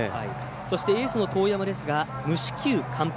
そしてエースの當山ですが無四球完封。